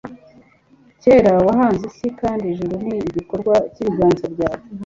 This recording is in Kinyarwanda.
kera wahanze isi, kandi ijuru ni igikorwa cy'ibiganza byawe